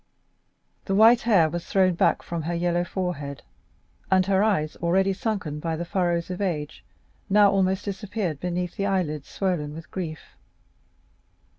The white hair was thrown back from her yellow forehead, and her eyes, already sunken by the furrows of age, now almost disappeared beneath the eyelids swollen with grief.